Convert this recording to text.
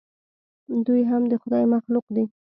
دوى هم د خداى مخلوق دي.